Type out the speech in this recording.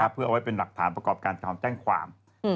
เพื่อเอาไว้เป็นหลักฐานประกอบการถอนแจ้งความ